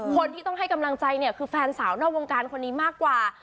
คนที่ต้องให้กำลังใจเนี่ยคือแฟนสาวนอกวงการคนนี้มากกว่า